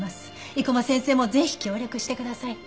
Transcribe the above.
生駒先生もぜひ協力してください。